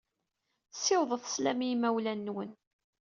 Ssiwḍet sslam i yimawlan-nwen.